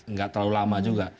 tidak terlalu lama juga